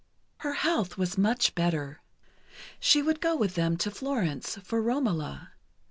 Her health was much better. She would go with them to Florence, for "Romola."